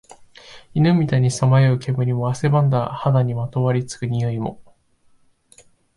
犬みたいにさまよう煙も、汗ばんだ肌にまとわり付く臭いも、